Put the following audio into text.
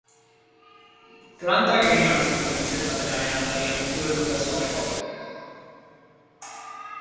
Plantak egin al zituen izendapenaren atarian duelura ez joateko?